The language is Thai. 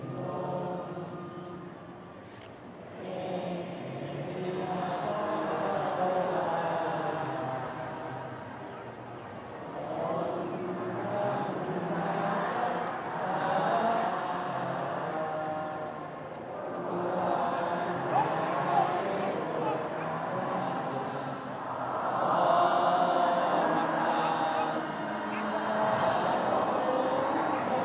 โดยทุกมหาชาติ